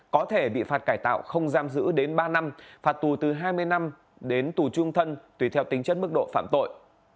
có thể bị phạt cải tạo không giam giữ đến ba năm phạt tù từ hai mươi năm đến tù trung thân tùy theo tính chất mức độ phạm tội